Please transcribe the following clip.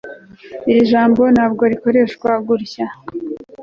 iri jambo ntabwo rikoreshwa gutya